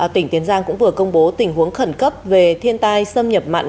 tỉnh tiền giang cũng vừa công bố tình huống khẩn cấp về thiên tai xâm nhập mặn